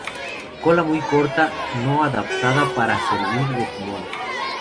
Cola muy corta, no adaptada para servir de timón.